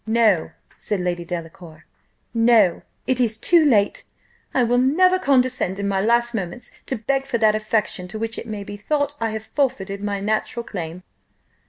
"No," said Lady Delacour; "no it is too late: I will never condescend in my last moments to beg for that affection to which it may be thought I have forfeited my natural claim."